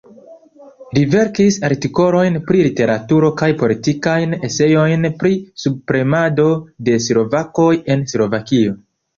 Li verkis artikolojn pri literaturo kaj politikajn eseojn pri subpremado de slovakoj en Slovakio.